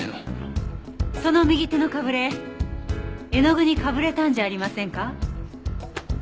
その右手のかぶれ絵の具にかぶれたんじゃありませんか？